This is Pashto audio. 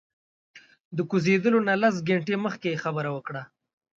د کوزیدلو نه لس ګنټې مخکې یې خبره وکړه.